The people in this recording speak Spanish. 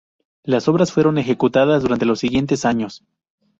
Las obras fueron ejecutadas durante los siguientes años.